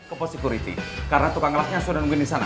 ke post security karena tukang laknya sudah nungguin disana